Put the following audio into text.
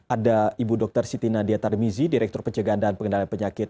ada ibu dr siti nadia tarmizi direktur pencegahan dan pengendalian penyakit